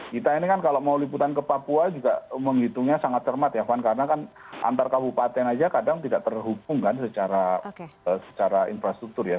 kita ini kan kalau mau liputan ke papua juga menghitungnya sangat cermat ya van karena kan antar kabupaten aja kadang tidak terhubung kan secara infrastruktur ya